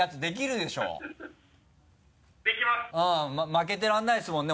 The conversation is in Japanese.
負けてられないですもんね。